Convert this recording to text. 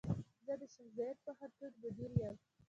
زۀ د شيخ زايد پوهنتون مدير يم.